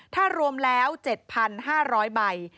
ถ้ารวมแล้ว๗๕๐๐ใบ